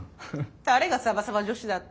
誰がサバサバ女子だって？